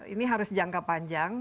ini harus jangka panjang